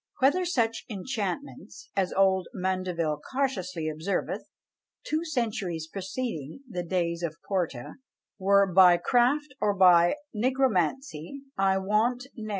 "Whether such enchauntments," as old Mandeville cautiously observeth, two centuries preceding the days of Porta, were "by craft or by nygromancye, I wot nere."